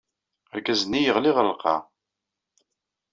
Argaz-nni yeɣli ɣer lqaɛa.